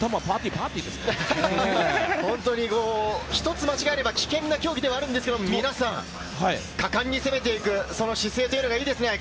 パーティ一つ間違えれば、危険な競技ではあるんですが、皆さん、果敢に攻めていく、その姿勢というのが、いいですね。